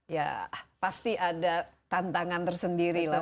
ya pasti ada tantangan tersendiri lah